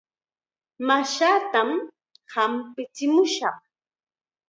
Mashaatam hampichimushaq.